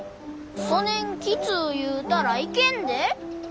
そねんきつう言うたらいけんで。